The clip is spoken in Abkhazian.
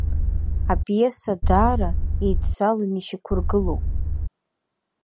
Апиеса даара еидцалан ишьақәыргылоуп.